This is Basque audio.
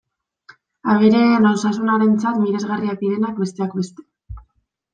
Abereen osasunarentzat miresgarriak direnak, besteak beste.